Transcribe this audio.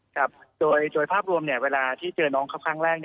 ครับโดยภาพรวมเวลาที่เจอน้องเขาครั้งแรก